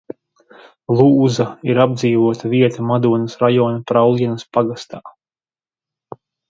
Lūza ir apdzīvota vieta Madonas rajona Praulienas pagastā.